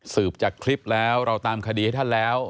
สืบจากคลิปแล้วเราตามคดีให้ท่านแล้ว